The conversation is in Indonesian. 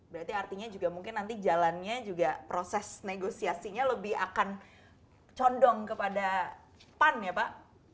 berarti artinya juga mungkin nanti jalannya juga proses negosiasinya lebih akan condong kepada pan ya pak